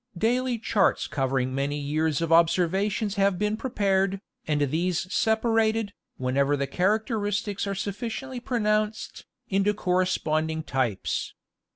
Daily charts covering many years of observations have been pre pared, and these separated, whenever the characteristics are sufficiently pronounced, into corresponding types.